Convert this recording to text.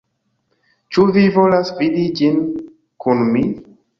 Ĉu vi volas vidi ĝin kun mi?